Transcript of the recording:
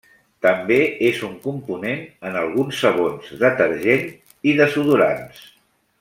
També és un component en alguns sabons, detergent i desodorants.